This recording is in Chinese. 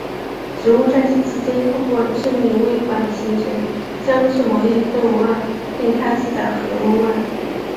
植物在此期间透过致密微管形成将质膜一分为二并开始在核膜外。